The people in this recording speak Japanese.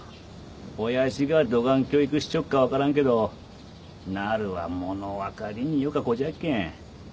親父がどがん教育しちょっか分からんけどなるは物分かりんよか子じゃっけん。